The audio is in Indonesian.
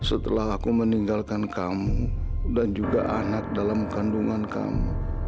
setelah aku meninggalkan kamu dan juga anak dalam kandungan kamu